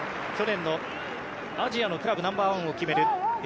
去年のアジアのクラブナンバー１を決める